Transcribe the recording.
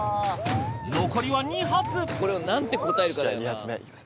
残りは２発じゃあ２発目いきます。